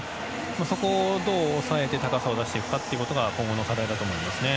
そこをどう抑えて記録を出していくかということが今後の課題だと思います。